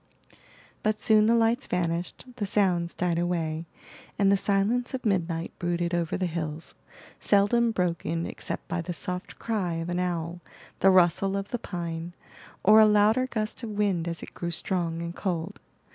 But soon the lights vanished, the sounds died away, and the silence of midnight brooded over the hills, seldom broken except by the soft cry of an owl, the rustle of the pine, or a louder gust of wind as it grew strong and cold.